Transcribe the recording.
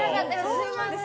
すみません。